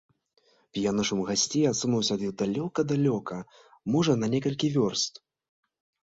П'яны шум гасцей адсунуўся ад іх далёка-далёка, можа, на некалькі вёрст.